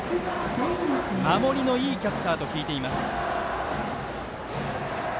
守りのいいキャッチャーと聞いています。